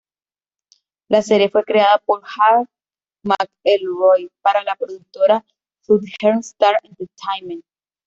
La serie fue creada por Hal McElroy para la productora Southern Star Entertainment.